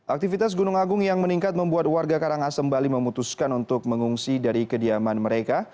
aktivitas gunung agung yang meningkat membuat warga karangasem bali memutuskan untuk mengungsi dari kediaman mereka